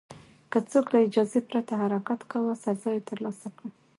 که څوک له اجازې پرته حرکت کاوه، سزا یې ترلاسه کړه.